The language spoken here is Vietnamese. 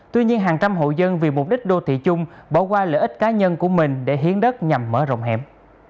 tuy nhiên hàng trăm hộ dân vì mục đích đô thị chung bỏ qua lợi ích cá nhân của mình để hiến đất nhằm mở rộng hẻm